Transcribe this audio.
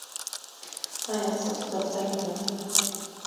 ایا ستاسو دفتر منظم نه دی؟